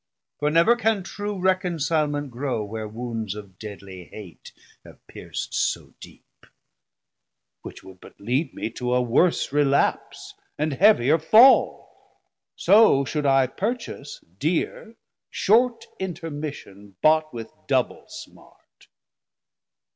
For never can true reconcilement grow Where wounds of deadly hate have peirc'd so deep: Which would but lead me to a worse relapse 100 And heavier fall: so should I purchase deare Short intermission bought with double smart.